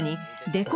デコ